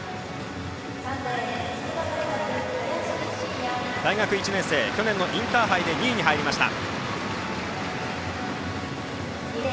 林申雅、大学１年生去年のインターハイで２位に入りました。